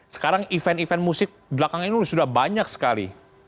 sekarang event event musik belakang ini sudah banyak sekali